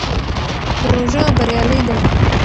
پروژه بریالۍ ده.